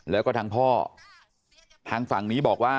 แล้วก็ทางพ่อทางฝั่งนี้บอกว่า